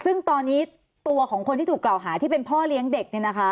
ซึ่งตอนนี้ตัวของคนที่ถูกกล่าวหาที่เป็นพ่อเลี้ยงเด็กเนี่ยนะคะ